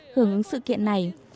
hưởng ứng sự kiện này